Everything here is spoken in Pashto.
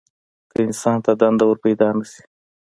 که انسان ته دنده ورپیدا نه شي.